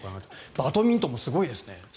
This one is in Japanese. バドミントンもすごいですね。